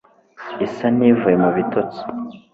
isa n'ivuye mu bitotsi